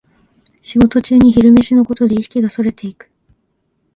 仕事中に昼飯のことで意識がそれていく